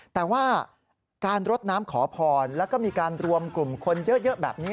แต่ว่าการรดน้ำขอพรแล้วก็มีการรวมกลุ่มคนเยอะแบบนี้